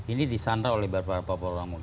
ini disandra oleh beberapa orang